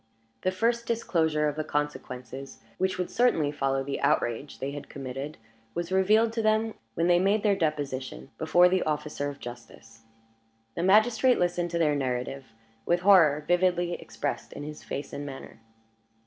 The first disclosure of the consequences which would certainly follow the outrage they had committed, was revealed to them when they made their deposition before the officer of justice. The magistrate listened to their narrative with horror vividly expressed in his face and manner.